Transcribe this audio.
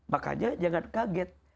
makanya jangan kaget